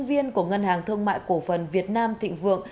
nhân viên của ngân hàng thương mại cổ phần việt nam thịnh vượng